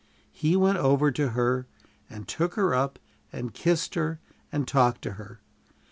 He went over to her, and took her up and kissed her and talked to her.